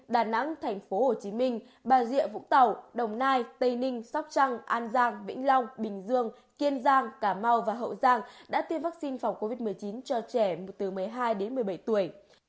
đà nẵng tp hcm bà rịa vũng tàu đồng nai tây ninh sóc trăng an giang vĩnh long bình dương kiên giang cà mau và hậu giang đã tiêm vaccine phòng covid một mươi chín cho trẻ từ một mươi hai đến một mươi bảy tuổi